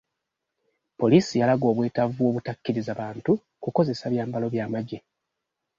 Poliisi yalaga obwetaavu bw'obutakkiriza bantu kukozesa byambalo by'amaggye.